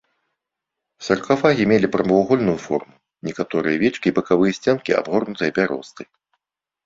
Саркафагі мелі прамавугольную форму, некаторыя вечкі і бакавыя сценкі абгорнуты бяростай.